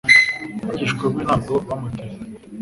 Abigishwa be ntabwo bamutereranye.